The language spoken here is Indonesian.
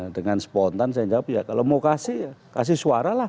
dengan spontan saya jawab ya kalau mau kasih ya kasih suara lah